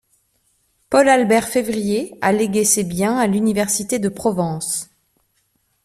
Paul-Albert Février a légué ses biens à l'Université de Provence.